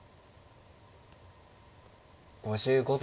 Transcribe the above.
５５秒。